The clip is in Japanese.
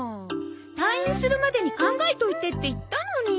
退院するまでに考えておいてって言ったのに。